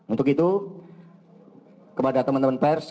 untuk itu kepada teman teman pers